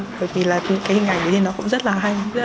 bởi vì hình ảnh đấy nó cũng rất là hay